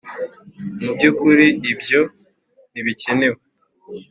mubyukuri ibyo ntibikenewe.